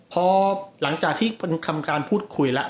พอหลังจากที่ทำการพูดคุยแล้ว